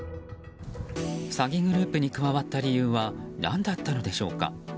詐欺グループに加わった理由は何だったのでしょうか。